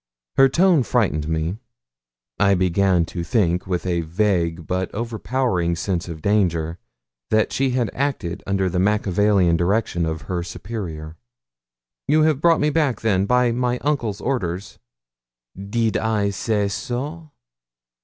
Her tone frightened me. I began to think, with a vague but overpowering sense of danger, that she had acted under the Machiavellian directions of her superior. 'You have brought me back, then, by my uncle's orders?' 'Did I say so?'